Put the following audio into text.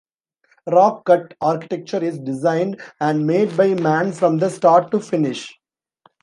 Rock-cut architecture is designed and made by man from the start to finish.